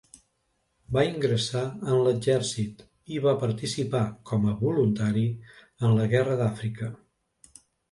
Va ingressar en l'exèrcit i va participar, com a voluntari, en la Guerra d'Àfrica.